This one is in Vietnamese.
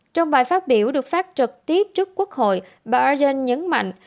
trong bài phát biểu được phát trực tiếp trước quốc hội bà aden nhấn mạnh